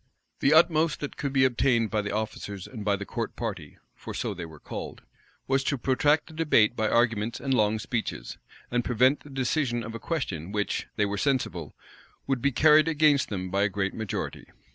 The utmost that could be obtained by the officers and by the court party, for so they were called, was to protract the debate by arguments and long speeches, and prevent the decision of a question which, they were sensible, would be carried against them by a great majority.